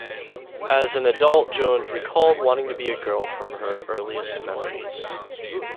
As an adult, Jones recalled wanting to be a girl from her earliest memories.